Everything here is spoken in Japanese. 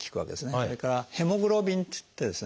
それから「ヘモグロビン」っつってですね